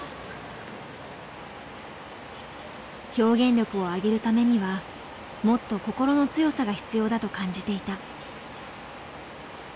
表現力を上げるためにはもっと心の強さが必要だと感じていた。